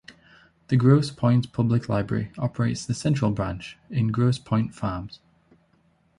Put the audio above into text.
The Grosse Pointe Public Library operates the Central Branch in Grosse Pointe Farms.